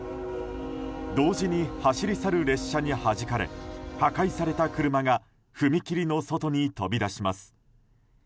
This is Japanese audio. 同時に走り去る列車にはじかれ破壊された車が踏切の外に飛び出します。